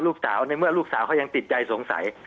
ลูกสาวในเมื่อลูกสาวเขายังติดใจสงสัย